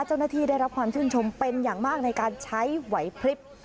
เจ้าหน้าที่ได้รับความชื่นชมเป็นอย่างมากในการใช้ไวพลิบ